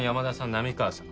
波川さん